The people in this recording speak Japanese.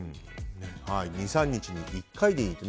２３日に１回でいいと。